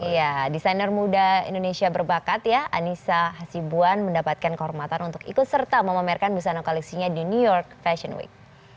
ya desainer muda indonesia berbakat ya anissa hasibuan mendapatkan kehormatan untuk ikut serta memamerkan busana koleksinya di new york fashion week